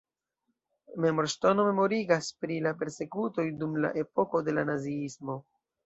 Memorŝtono memorigas pri la persekutoj dum la epoko de la naziismo.